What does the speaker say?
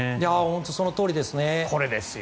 本当にそのとおりですね。